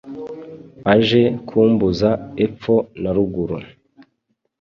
aje kumbuza epfo na ruguru,